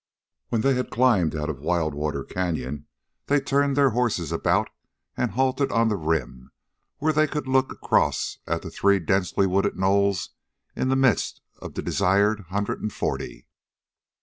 When they had climbed out of Wild Water Canyon they turned their horses about and halted on the rim where they could look across at the three densely wooded knolls in the midst of the desired hundred and forty.